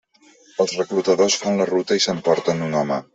Els reclutadors fan la ruta i s'emporten un home.